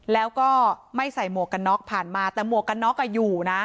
แล้วก็ไม่ใส่หมวกกันน็อกผ่านมาแต่หมวกกันน็อกอยู่นะ